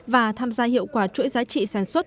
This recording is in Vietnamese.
và tham gia hiệu quả chuỗi giá trị sản xuất